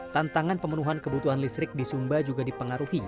tantangan pemenuhan kebutuhan listrik di sumba juga dipengaruhi